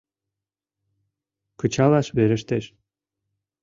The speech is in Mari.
— Кычалаш верештеш.